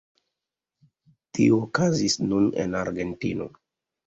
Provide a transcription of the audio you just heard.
Tio okazis nun en Argentino.